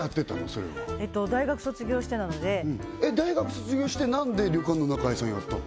それは大学卒業してなので大学卒業して何で旅館の仲居さんやったの？